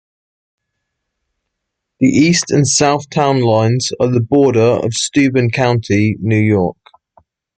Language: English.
The east and south town lines are the border of Steuben County, New York.